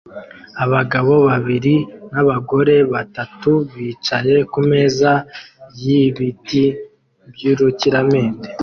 Abagabo babiri n'abagore batatu bicaye kumeza yibiti byurukiramende